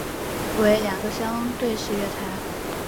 为两个相对式月台。